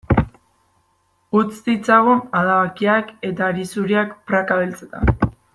Utz ditzagun adabakiak eta hari zuriak praka beltzetan.